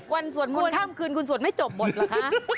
ควรควรควรไม่จบบทหรือคะ